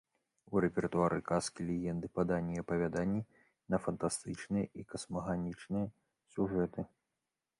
У рэпертуары казкі, легенды, паданні і апавяданні на фантастычныя і касмаганічных сюжэты.